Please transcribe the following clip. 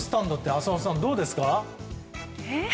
浅尾さん、どうですか？